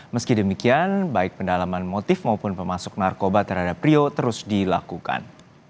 meski demikian baik pendalaman motif maupun pemasuk narkoba terhadap prio terus dilakukan